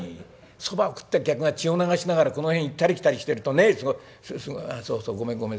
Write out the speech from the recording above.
そば食ってる客が血を流しながらこの辺行ったり来たりしてるとねごめんごめん。